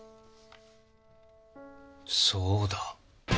そうだ。